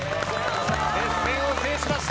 熱戦を制しました。